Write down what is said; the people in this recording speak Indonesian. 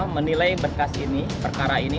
menilai berkas ini perkara ini